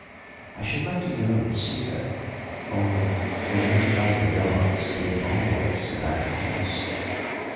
I should like to go and see her, only I do not like the dogs being always about the house.